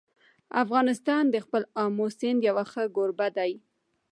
افغانستان د خپل آمو سیند یو ښه کوربه دی.